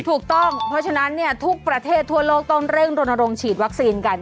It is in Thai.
ถูกต้องเพราะฉะนั้นทุกประเทศทั่วโลกต้องเร่งรณรงค์ฉีดวัคซีนกัน